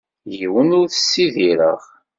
Yiwen ur t-ssidireɣ.